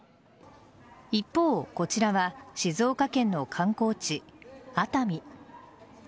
一方、こちらは静岡県の観光地熱海。